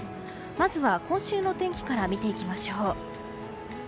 まずは今週の天気から見ていきましょう。